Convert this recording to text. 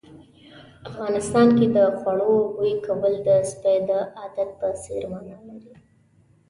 افغانستان کې د خوړو بوي کول د سپي د عادت په څېر مانا لري.